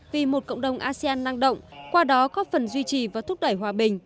vì một cộng đồng asean năng động qua đó góp phần duy trì và thúc đẩy hòa bình